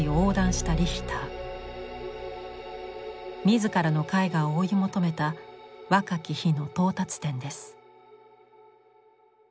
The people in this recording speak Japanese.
自らの絵画を追い求めた若き日の到達点です。